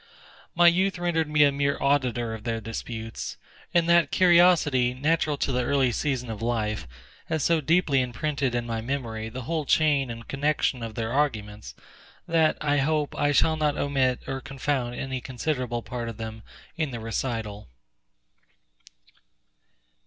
My youth rendered me a mere auditor of their disputes; and that curiosity, natural to the early season of life, has so deeply imprinted in my memory the whole chain and connection of their arguments, that, I hope, I shall not omit or confound any considerable part of them in the recital.